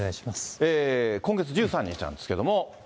今月１３日なんですけれども。